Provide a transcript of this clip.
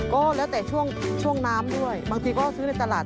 ก็แล้วแต่ช่วงน้ำด้วยบางทีก็ซื้อในตลาด